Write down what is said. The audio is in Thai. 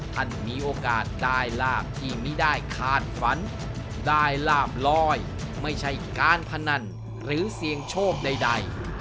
ท่านมีโอกาสได้ลาบที่ไม่ได้คาดฝันได้ลาบลอยไม่ใช่การพนันหรือเสี่ยงโชคใด